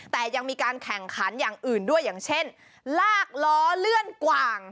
แต่ยังมีการแข่งขันอย่างอื่นด้วยอย่างเช่นลากล้อเลื่อนกว่าง